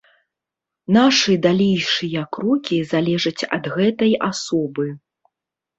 Нашы далейшыя крокі залежаць ад гэтай асобы.